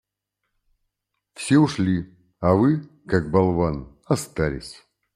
Все ушли, а Вы, как болван, остались.